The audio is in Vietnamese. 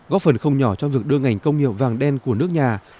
góp phần không nhỏ trong việc đưa ngành công nghiệp vàng đen của nước nhà